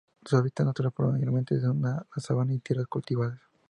Su hábitat natural mayormente es en la sabana y en tierras cultivables.